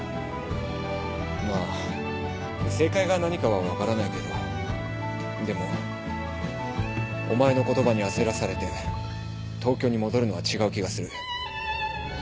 まあ正解が何かは分からないけどでもお前の言葉に焦らされて東京に戻るのは違う気がする。